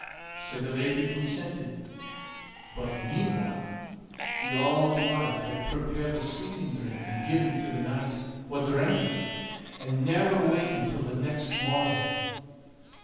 So the lady consented; but meanwhile the auld wife had prepared a sleeping drink, and given it to the knight, wha drank it, and never wakened till next morning.